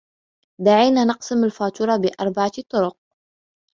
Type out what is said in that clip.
دعينا نقسم الفاتورة بأربعة طرق.